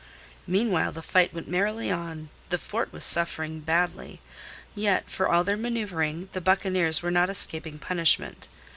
Meanwhile the fight went merrily on. The fort was suffering badly. Yet for all their manoeuvring the buccaneers were not escaping punishment.